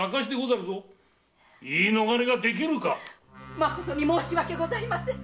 まこと申し訳ございません。